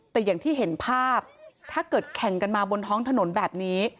แต่อย่างที่เห็นภาพถ้าเกิดแข่งกันมาบนท้องถนนแบบนี้